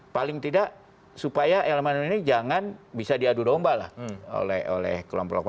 paling tidak supaya elemen ini jangan bisa diadu domba lah oleh kelompok kelompok